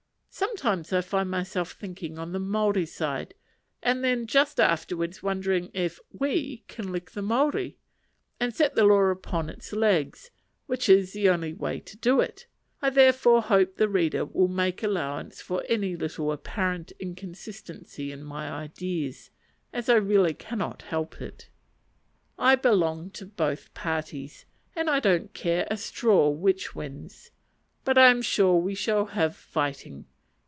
Sometimes I find myself thinking on the Maori side, and then just afterwards wondering if "we" can lick the Maori, and set the law upon its legs; which is the only way to do it. I therefore hope the reader will make allowance for any little apparent inconsistency in my ideas, as I really cannot help it. I belong to both parties, and I don't care a straw which wins; but I am sure we shall have fighting.